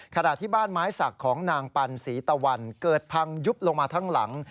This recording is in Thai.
ขณะที่บ้านไม้สักของนางปันศรีตะวันเกิดพังยุบลงมาทั้งหลัง